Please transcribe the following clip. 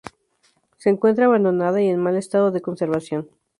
Se encuentra abandonada, y en mal estado de conservación.